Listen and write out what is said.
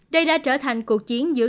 đây đã trở thành cuộc chiến dựa